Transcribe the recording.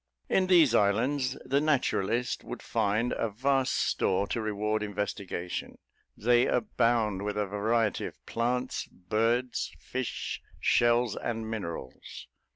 In these islands, the naturalist would find a vast store to reward investigation; they abound with a variety of plants, birds, fish, shells, and minerals.